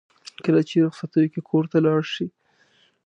کله چې رخصتیو کې کور ته لاړ شي.